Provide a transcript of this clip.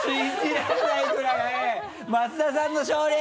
増田さんの勝利！